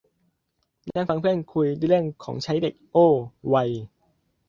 นั่งฟังเพื่อนคุยเรื่องของใช้เด็ก โอ้ วัย